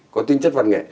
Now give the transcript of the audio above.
có tính chất văn nghệ